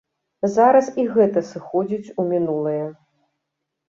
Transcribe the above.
Зараз і гэта сыходзіць у мінулае.